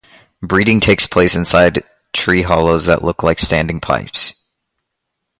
Breeding takes place inside tree hollows that look like standing pipes.